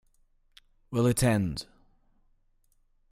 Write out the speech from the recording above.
Will it end?